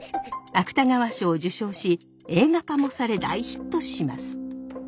芥川賞を受賞し映画化もされ大ヒットします。